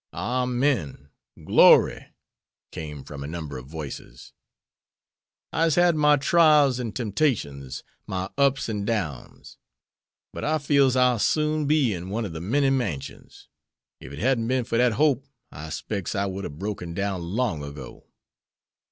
"Amen!" "Glory!" came from a number of voices. "I'se had my trials an' temptations, my ups an' downs; but I feels I'll soon be in one ob de many mansions. If it hadn't been for dat hope I 'spects I would have broken down long ago.